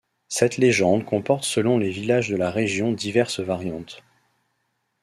Cette légende comporte selon les villages de la région diverses variantes.